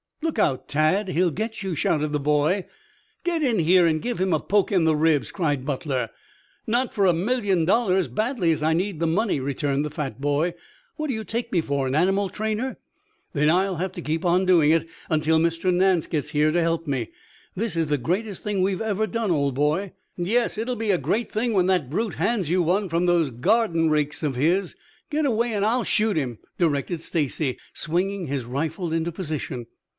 "Look out, Tad! He'll get you!" shouted the boy. "Get in here and give him a poke in the ribs," cried Butler. "Not for a million dollars, badly as I need money," returned the fat boy. "What do you take me for, an animal trainer?" "Then I'll have to keep on doing it till Mr. Nance gets here to help me. This is the greatest thing we've ever done, old boy!" "Yes, it'll be a great thing when the brute hands you one from those garden rakes of his. Get away and I'll shoot him," directed Stacy, swinging his rifle into position.